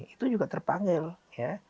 itu juga terpanggil ya